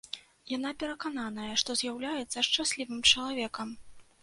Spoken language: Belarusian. Яна перакананая, што з'яўляецца шчаслівым чалавекам.